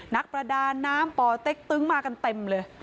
นักประดาน้ำป่อเต็กตึงมากันเต็มเลย